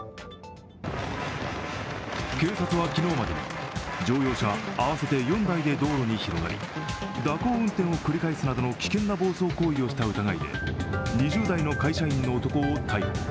警察は昨日までに乗用車合わせて４台で道路に広がり蛇行運転を繰り返すなどの危険な暴走行為をした疑いで２０代の会社員の男を逮捕。